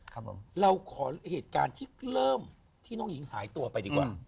ครับผมเราขอเหตุการณ์ที่เริ่มที่น้องหญิงหายตัวไปดีกว่า